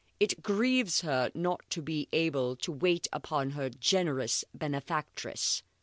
It grieves her not to be able to wait upon her generous benefactress."